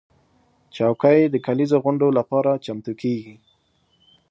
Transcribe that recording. چوکۍ د کليزو غونډو لپاره چمتو کېږي.